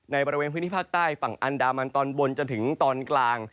บริเวณพื้นที่ภาคใต้ฝั่งอันดามันตอนบนจนถึงตอนกลาง